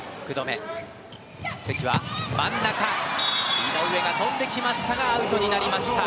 井上が跳んできましたがアウトになりました。